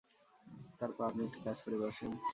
তারপর আপনি একটি কাজ করে বসেন।